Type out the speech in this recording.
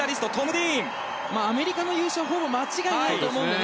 アメリカの優勝はほぼ間違いないと思うので。